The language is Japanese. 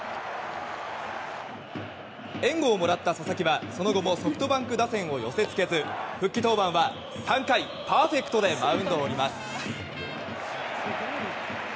援護をもらった佐々木はその後もソフトバンク打線を寄せ付けず復帰登板は３回パーフェクトでマウンドを降ります。